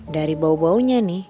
dari bau baunya nih